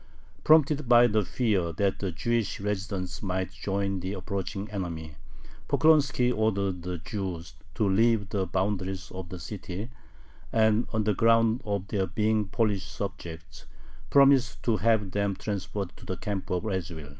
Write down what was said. Prompted by the fear that the Jewish residents might join the approaching enemy, Poklonski ordered the Jews to leave the boundaries of the city, and, on the ground of their being Polish subjects, promised to have them transferred to the camp of Radziwill.